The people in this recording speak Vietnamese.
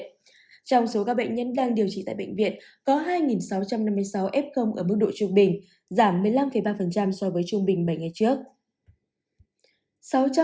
trong số các bệnh nhân đang điều trị tại bệnh viện có hai sáu trăm năm mươi sáu f ở mức độ trung bình giảm một mươi năm ba so với trung bình bảy ngày trước